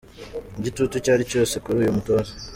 Igitutu cyari cyose kuri uyu mutoza.